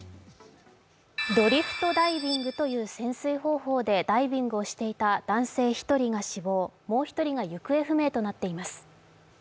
ドリフトダイビングという潜水方法でダイビングをしていた男性１人が死亡、もう１人が行方不明となっています。